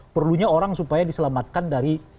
perlunya orang supaya diselamatkan dari